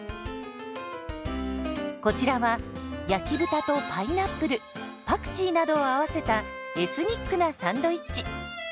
こちらは焼き豚とパイナップルパクチーなどを合わせたエスニックなサンドイッチ。